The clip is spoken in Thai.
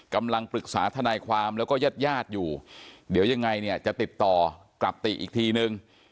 กำลังปรึกษาทนายความแล้วก็ญาติญาติอยู่เดี๋ยวยังไงเนี่ยจะติดต่อกลับติอีกทีนึง